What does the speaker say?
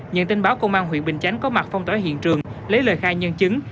nhận tin báo công an huyện bình chánh có mặt phong tỏa hiện trường lấy lời khai nhân chứng